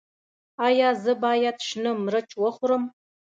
ایا زه باید شنه مرچ وخورم؟